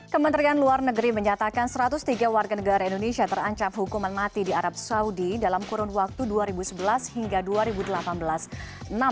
kementerian luar negeri menyatakan satu ratus tiga warga negara indonesia terancam hukuman mati di arab saudi dalam kurun waktu dua ribu sebelas hingga dua ribu delapan belas